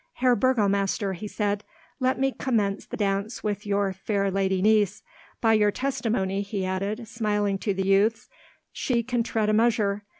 "Herr Burgomaster," he said, "let me commence the dance with your fair lady niece. By your testimony," he added, smiling to the youths, "she can tread a measure.